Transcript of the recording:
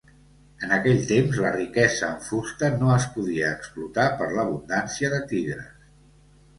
En aquell temps la riquesa en fusta no es podia explotar per l'abundància de tigres.